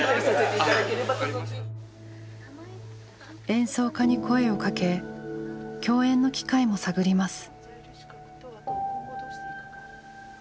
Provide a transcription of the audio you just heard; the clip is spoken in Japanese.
演奏家に声をかけ共演の機会も探ります。